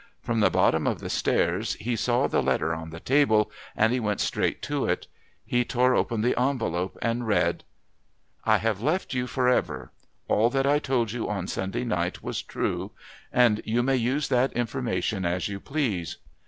From the bottom of the stairs he saw the letter on the table, and he went straight to it. He tore open the envelope and read: I have left you for ever. All that I told you on Sunday night was true, and you may use that information as you please.